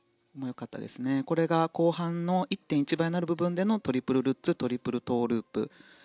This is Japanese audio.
これが後半の１．１倍になる部分でのトリプルルッツトリプルトウループ。